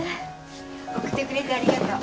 送ってくれてありがとう。